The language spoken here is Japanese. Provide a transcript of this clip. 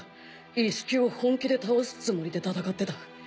イッシキを本気で倒すつもりで戦ってた。